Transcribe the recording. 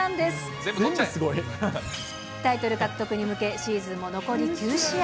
タイトル獲得に向け、シーズンも残り９試合。